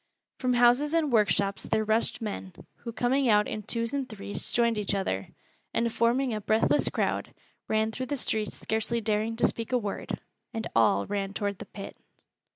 From houses and workshops there rushed men, who coming out in twos and threes joined each other, and forming a breathless crowd, ran through the streets scarcely daring to speak a word and all ran toward the pit.